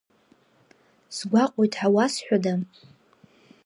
Сгәаҟуеит ҳәа уазҳәада?